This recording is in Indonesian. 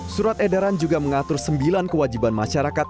surat edaran juga mengatur sembilan kewajiban masyarakat